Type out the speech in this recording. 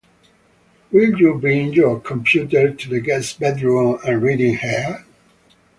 Will you bring your computer to the guest bedroom and read in here?